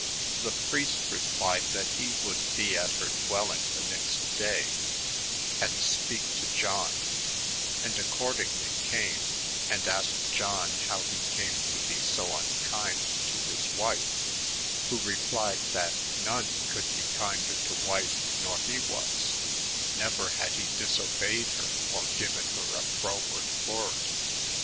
The preist replyed that he void be at her dwelling the nixt day, & speak to John ; and acordingly cam, and asked John how he cam to be bo unkind to his wife ; who replyed that ' non [cjould be kinder to wife nor he waa J never had he disobeyed her, or given her a froward vord.'